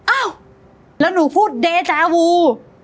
อ้าวแล้วหนูพูดเดจาวู